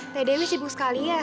teh dewi sibuk sekali ya